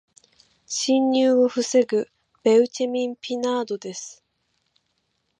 侵入を防ぐベウチェミン・ピナードです。